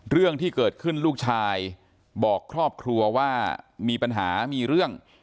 เรื่องที่เกิดขึ้นลูกชายบอกครอบครัวว่ามีปัญหามีเรื่อง